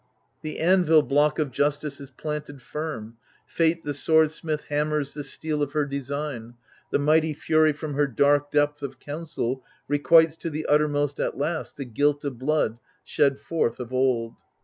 The anvil block of Justice is planted firm : Fate the sword smith hammers the steel of her design : the mighty Fury from her dark depth of counsel requites to the uttermost at last the guilt of blood shed forth of old."